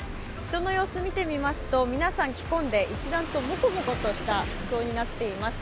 人の様子見てみますと皆さん、着込んで、一段とモコモコとした服装になっています。